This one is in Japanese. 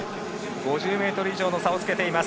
５０ｍ以上の差をつけています。